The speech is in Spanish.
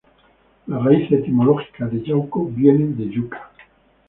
La raíz etimológica de Yauco viene de yuca.